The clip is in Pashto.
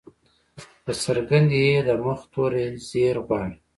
د څرګندي ي د مخه توری زير غواړي.